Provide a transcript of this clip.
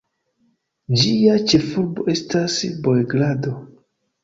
Ĝia ĉefurbo estas Beogrado.